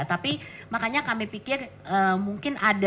tapi makanya kami pikir mungkin ada